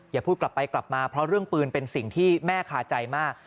อย่าพูดกลับไปกลับมาเพราะเรื่องปืนเป็นสิ่งที่แม่คาใจมาก